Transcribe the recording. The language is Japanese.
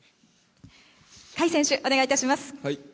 甲斐選手、お願いします。